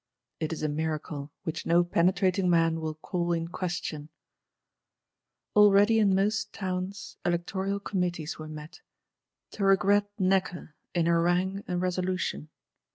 It is a miracle, which no penetrating man will call in question. Already in most Towns, Electoral Committees were met; to regret Necker, in harangue and resolution.